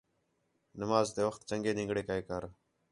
نماز تے وخت چَنڳے نِنگڑے کَئے کر